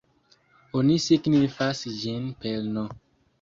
Oni signas ĝin per "n!